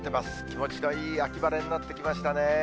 気持ちのいい秋晴れになってきましたね。